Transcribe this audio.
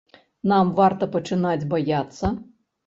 Нам варта пачынаць баяцца?